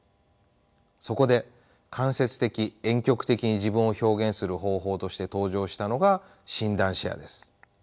そこで間接的・えん曲的に自分を表現する方法として登場したのが診断シェアです。